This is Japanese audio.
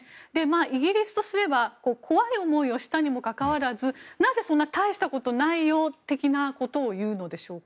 イギリスとすれば怖い思いをしたにもかかわらずなぜ、そんなに大したことないよ的なことを言うのでしょうか。